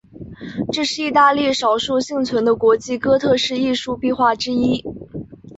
这是意大利少数幸存的国际哥特式艺术壁画之一。